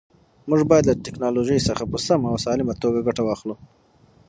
موږ باید له ټیکنالوژۍ څخه په سمه او سالمه توګه ګټه واخلو.